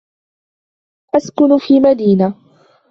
أسكن في مدينة.